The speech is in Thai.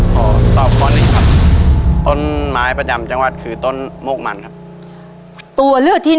ขอตอบความนี้ครับ